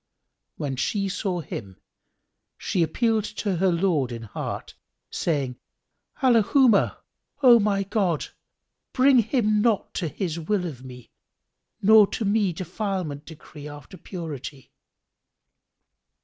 When she saw him, she appealed to her Lord in heart, saying, "Allahumma O my God bring him not to his will of me nor to me defilement decree after purity!"